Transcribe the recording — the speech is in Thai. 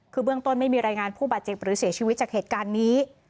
คือเบื้องต้นไม่มีรายงานผู้บาดเจ็บหรือเสียชีวิตจากเหตุการณ์นี้